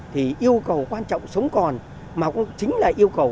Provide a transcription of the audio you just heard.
thì yêu cầu quan trọng sống còn mà cũng chính là yêu cầu